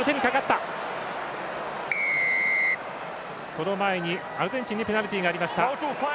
その前にアルゼンチンにペナルティがありました。